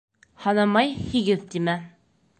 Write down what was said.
Һанамай «һигеҙ», тимә.